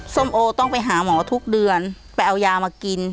ส้มโอต้องไปหาหมอทุกเดือนไปเอายามากิน